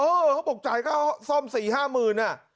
เออเขาโปรดจ่ายก็ซ่อม๔๕หมื่นน่ะ